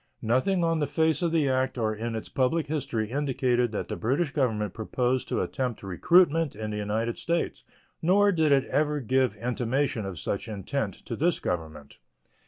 Nothing on the face of the act or in its public history indicated that the British Government proposed to attempt recruitment in the United States, nor did it ever give intimation of such intention to this Government.